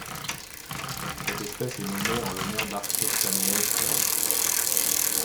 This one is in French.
Cette espèce est nommée en l'honneur d'Arthur Stanley Hirst.